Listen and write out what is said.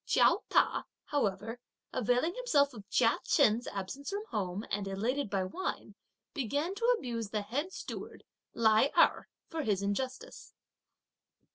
Chiao Ta, however, availing himself of Chia Chen's absence from home, and elated by wine, began to abuse the head steward Lai Erh for his injustice.